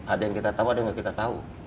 ada yang kita tahu ada yang nggak kita tahu